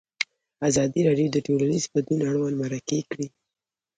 ازادي راډیو د ټولنیز بدلون اړوند مرکې کړي.